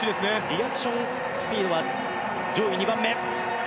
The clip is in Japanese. リアクションスピードは上位２番目。